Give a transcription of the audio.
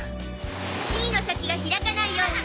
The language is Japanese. スキーの先が開かないようにね。